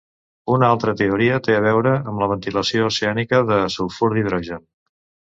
Una altra teoria té a veure amb la ventilació oceànica de sulfur d'hidrogen.